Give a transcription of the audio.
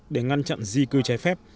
để ngăn chặn di cư cháy phép